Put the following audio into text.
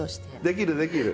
できるできる！